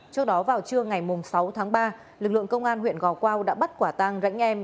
trước đó vào trưa ngày sáu tháng ba lực lượng công an huyện gò quao đã bắt quả tăng rãnh em